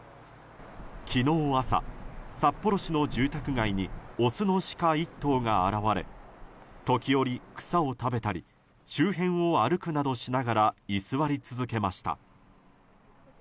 昨日朝、札幌市の住宅にオスのシカ１頭が現れ時折、草を食べたり周辺を歩くなどしながら居座り続けました。